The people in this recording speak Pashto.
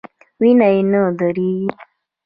وینه یې نه دریږي.